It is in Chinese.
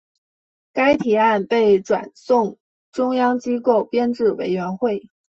该提案被转送中央机构编制委员会。